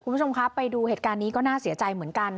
คุณผู้ชมครับไปดูเหตุการณ์นี้ก็น่าเสียใจเหมือนกัน